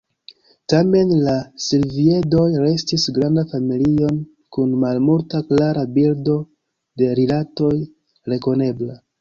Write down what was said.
Tamen la silviedoj restis granda familio, kun malmulta klara bildo de rilatoj rekonebla.